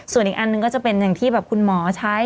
ส่วนอีกอันหนึ่งก็จะเป็นอย่างที่แบบคุณหมอใช้